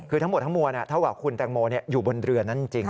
คือทั้งหมดทั้งมวลเท่ากับคุณแตงโมอยู่บนเรือนั้นจริง